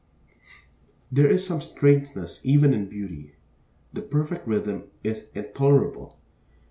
There is 'some strangeness' even 'in beauty.' The perfect rhythm is intolerable.